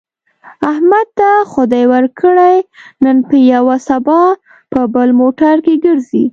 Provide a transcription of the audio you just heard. احمد ته خدای ورکړې، نن په یوه سبا په بل موټر کې ګرځي.